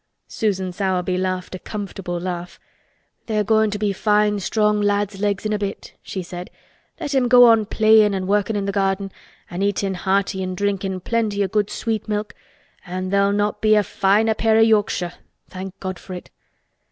Susan Sowerby laughed a comfortable laugh. "They're goin' to be fine strong lad's legs in a bit," she said. "Let him go on playin' an' workin' in the garden an' eatin' hearty an' drinkin' plenty o' good sweet milk an' there'll not be a finer pair i' Yorkshire, thank God for it."